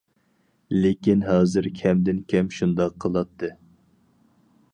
لېكىن ھازىر كەمدىن كەم شۇنداق قىلاتتى.